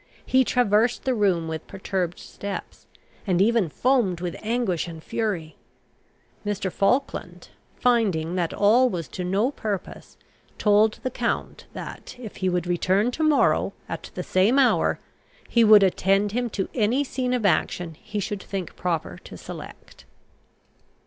He traversed the room with perturbed steps, and even foamed with anguish and fury. Mr. Falkland, finding that all was to no purpose, told the count, that, if he would return to morrow at the same hour, he would attend him to any scene of action he should think proper to select.